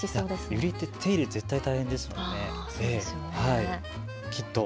ユリってお手入れ、絶対大変ですよね。